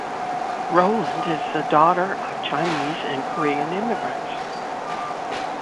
Rowland is the daughter of Chinese and Korean immigrants.